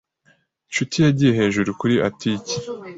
Nshuti yagiye hejuru kuri atike.